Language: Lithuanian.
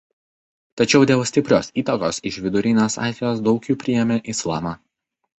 Tačiau dėl stiprios įtakos iš Vidurinės Azijos daug jų priėmė Islamą.